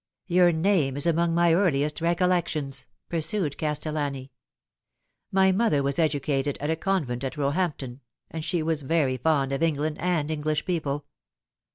" Your name is among my earliest recollections," pursued Castellani. " My mother was educated at a convent at Roe hampton, and she was very fond of England and English people.